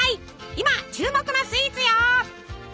今注目のスイーツよ！